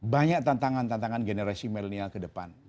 banyak tantangan tantangan generasi milenial ke depan